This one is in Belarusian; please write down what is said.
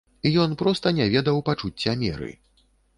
Ён проста не ведаў пачуцця меры.